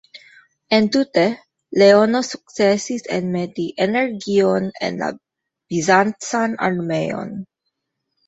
Entute, Leono sukcesis enmeti energion en la bizancan armeon.